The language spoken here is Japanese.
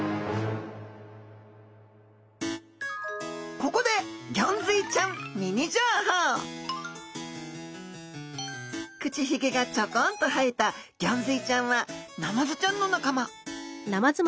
ここで口ヒゲがちょこんと生えたギョンズイちゃんはナマズちゃんの仲間。